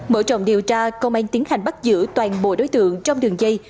mở trọng điều tra công an tp hcm bắt giữ toàn bộ đối tượng trong đường dây